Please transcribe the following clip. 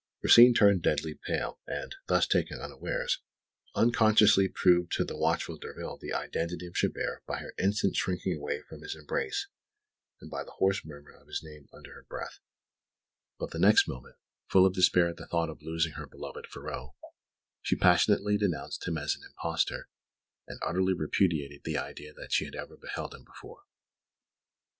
Rosine turned deadly pale, and, thus taken unawares, unconsciously proved to the watchful Derville the identity of Chabert by her instant shrinking away from his embrace, and by the hoarse murmur of his name under her breath; but the next moment, full of despair at the thought of losing her beloved Ferraud, she passionately denounced him as an impostor and utterly repudiated the idea that she had ever beheld him before.